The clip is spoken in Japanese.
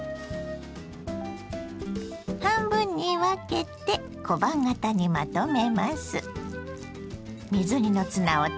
半分に分けて小判形にまとめます。